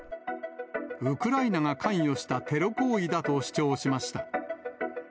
ウクライナが関与したテロ行為だと主張しました。